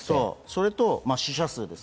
それと死者数。